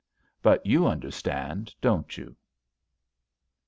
" But you understand, don't you?